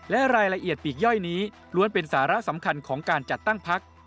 และรายละเอียดปีกย่อยนี้ล้วนเป็นสาระสำคัญของการจัดตั้งพัก